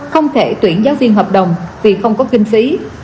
không thể tuyển giáo viên hợp đồng vì không có kinh phí